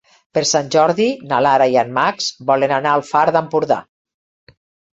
Per Sant Jordi na Lara i en Max volen anar al Far d'Empordà.